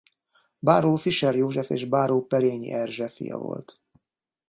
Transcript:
Báró Fischer József és báró Perényi Erzse fia volt.